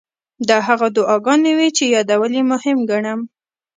دا هغه دعاګانې وې چې یادول یې مهم ګڼم.